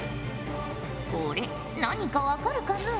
これ何か分かるかのう？